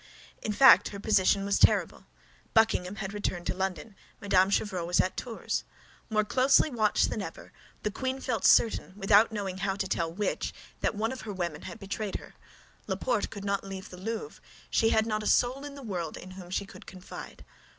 In fact, her position was terrible. Buckingham had returned to London; Mme. de Chevreuse was at Tours. More closely watched than ever, the queen felt certain, without knowing how to tell which, that one of her women had betrayed her. Laporte could not leave the Louvre; she had not a soul in the world in whom she could confide.